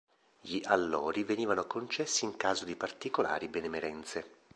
Gli "allori" venivano concessi in caso di particolari benemerenze.